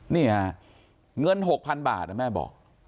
นี่ฮะเงิน๖๐๐๐บาทแม่บอก